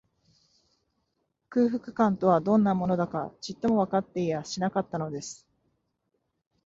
空腹感とは、どんなものだか、ちっともわかっていやしなかったのです